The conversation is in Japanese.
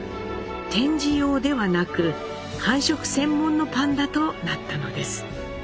展示用ではなく繁殖専門のパンダとなったのです。